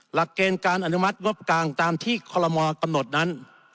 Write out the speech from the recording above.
หลักเกณฑ์การอนุมัติงบกลางตามที่คอลโมกำหนดนั้น